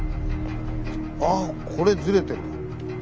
ああこれずれてるわ。